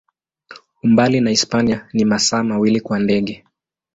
Umbali na Hispania ni masaa mawili kwa ndege.